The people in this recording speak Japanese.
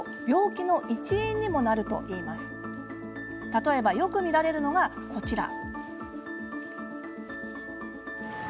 例えばよく見られるのがこちら。